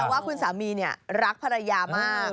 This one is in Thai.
ว่าคุณสามีรักภรรยามาก